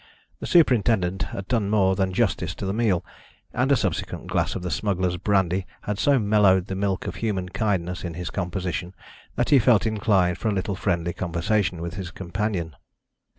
The superintendent had done more than justice to the meal, and a subsequent glass of the smugglers' brandy had so mellowed the milk of human kindness in his composition that he felt inclined for a little friendly conversation with his companion.